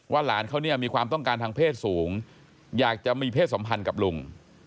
หลานเขาเนี่ยมีความต้องการทางเพศสูงอยากจะมีเพศสัมพันธ์กับลุง